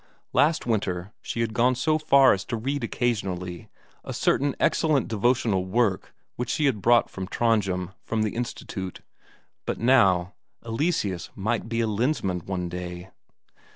Last winter she had gone so far as to read occasionally a certain excellent devotional work which she had brought from Trondhjem, from the Institute; but now, Eleseus might be a Lensmand one day!